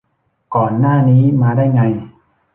ก่อนหน้านี้มาได้ไง